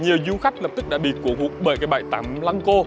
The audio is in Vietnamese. nhiều du khách lập tức đã bị cổng hút bởi cái bãi tắm lăng cô